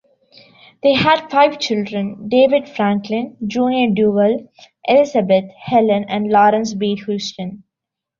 They had five children: David Franklin, Junior Duval, Elizabeth, Helen and Lawrence Beid Houston.